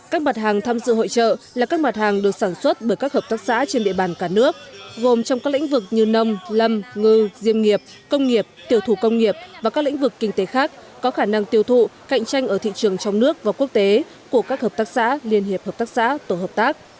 các mặt hàng tham dự hội trợ là các mặt hàng được sản xuất bởi các hợp tác xã trên địa bàn cả nước gồm trong các lĩnh vực như nông lâm ngư diêm nghiệp công nghiệp tiểu thủ công nghiệp và các lĩnh vực kinh tế khác có khả năng tiêu thụ cạnh tranh ở thị trường trong nước và quốc tế của các hợp tác xã liên hiệp hợp tác xã tổ hợp tác